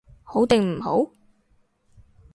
好定唔好？